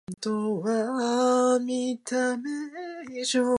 海辺でのんびり過ごす。